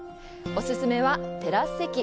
お勧めはテラス席！